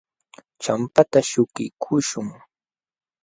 Champata śhukiykuśhun.